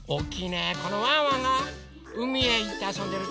このワンワンがうみへいってあそんでるところ。